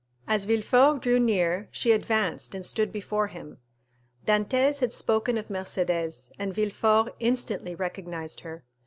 As Villefort drew near, she advanced and stood before him. Dantès had spoken of Mercédès, and Villefort instantly recognized her.